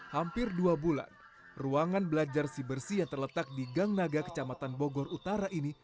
hampir dua bulan ruangan belajar si bersih yang terletak di gang naga kecamatan bogor utara ini